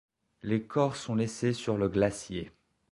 Les corps sont laissés sur le glacier.